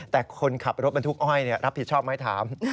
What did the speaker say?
แต่คนขับรถบรรทุกอ้อยรับผิดชอบไหมถาม